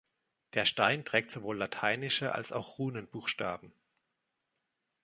Der Stein trägt sowohl lateinische als auch Runenbuchstaben.